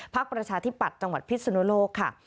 ประชาธิปัตย์จังหวัดพิศนุโลกค่ะ